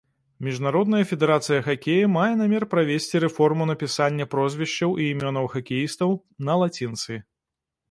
Міжнародная федэрацыя хакея мае намер правесці рэформу напісання прозвішчаў і імёнаў хакеістаў на лацінцы.